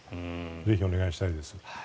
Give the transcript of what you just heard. ぜひお願いしたいです。